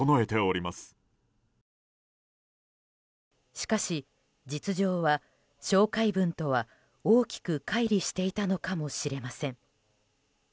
しかし、実情は紹介文とは大きく乖離していたのかもしれません。